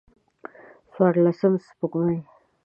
د څوارلسم سپوږمۍ